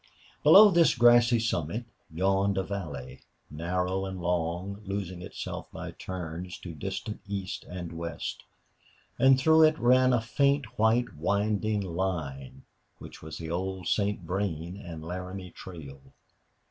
Below this grassy summit yawned a valley, narrow and long, losing itself by turns to distant east and west; and through it ran a faint, white, winding line which was the old St. Vrain and Laramie Trail.